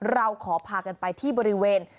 เราขอพากันไปที่บริเวณ